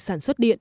sản xuất điện